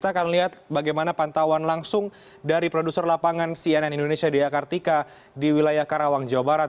kita akan lihat bagaimana pantauan langsung dari produser lapangan cnn indonesia dea kartika di wilayah karawang jawa barat